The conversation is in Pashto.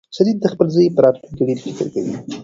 شریف د خپل زوی په راتلونکي ډېر فکر کوي.